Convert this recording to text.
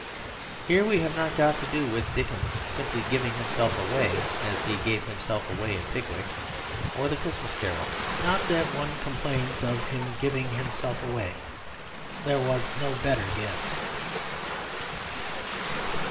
Here we have not got to do with Dickens simply giving himself away, as he gave himself away in Pickwick or The Christmas Carol. Not that one complains of his giving himself away; there was no better gift.